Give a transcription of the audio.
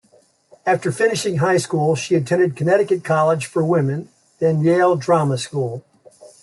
After finishing high school, she attended Connecticut College for Women, then Yale Drama School.